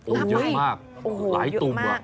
โอ้โหเยอะมากหลายตุ่มอ่ะ